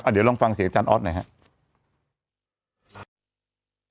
เดี๋ยวลองฟังเสียงอาจารย์ออสหน่อยครับ